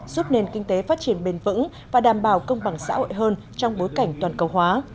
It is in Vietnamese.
giúp nền kinh tế phát triển bền vững và đảm bảo công bằng xã hội hơn trong bối cảnh toàn cầu hóa